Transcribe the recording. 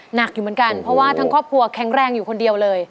หนักอยู่เหมือนกันเพราะว่าทั้งครอบครัวแข็งแรงอยู่คนเดียวเลย